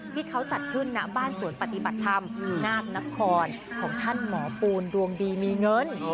ที่เขาจัดขึ้นณบ้านสวนปฏิบัติธรรมนาคนของท่านหมอปูนดวงดีมีเงิน